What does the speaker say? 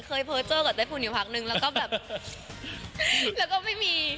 เคยเผาเจ้ากับใต้ผุนอยู่พักนึงแล้วก็แบบแล้วก็ไม่มี